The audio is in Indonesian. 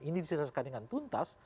ini disesuaikan dengan tuntas